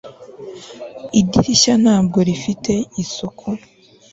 Idirishya ntabwo rifite isuku